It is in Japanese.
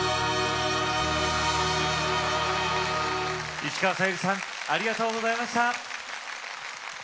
石川さゆりさんありがとうございました。